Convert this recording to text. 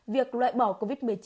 việc loại bỏ covid một mươi chín